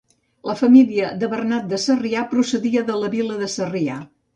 La família de Bernat de Sarrià procedia de la vila de Sarrià.